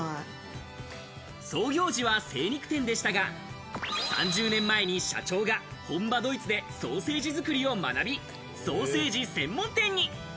創業時は精肉店でしたが、３０年前に社長が本場ドイツでソーセージ作りを学び、ソーセージ専門店に。